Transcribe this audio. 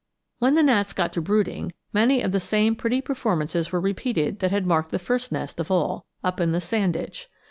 When the gnats got to brooding, many of the same pretty performances were repeated that had marked the first nest of all, up in the sand ditch.